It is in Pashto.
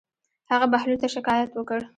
هغه بهلول ته شکايت وکړ.